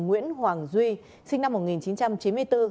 nguyễn hoàng duy sinh năm một nghìn chín trăm chín mươi bốn